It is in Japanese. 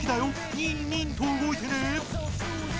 ニンニンと動いてね！